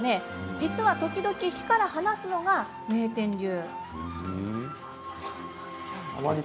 実は時々、火から離すのが名店流。